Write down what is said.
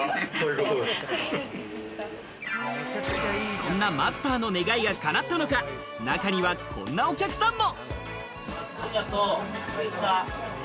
そんなマスターの願いが叶ったのか、中にはこんなお客さんも。